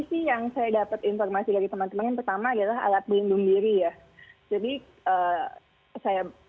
sih yang saya dapat informasi dari teman teman pertama adalah alat pelindung diri ya jadi saya